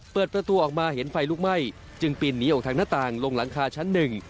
เปิดประตูออกมาเห็นไฟลุกไหม้จึงปีนหนีออกทางหน้าต่างลงหลังคาชั้นหนึ่ง